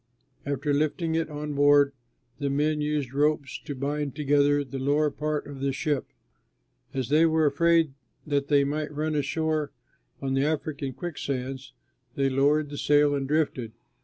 After lifting it on board, the men used ropes to bind together the lower part of the ship. As they were afraid that they might run ashore on the African quicksands, they lowered the sail and drifted.